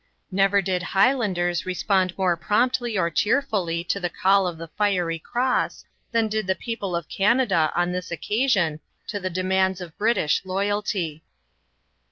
Never did Highlanders respond more promptly or cheerfully to the call of the fiery cross, than did the people of Canada, on this occasion, to the demands of British loyalty.